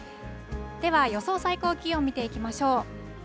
では、予想最高気温、見ていきましょう。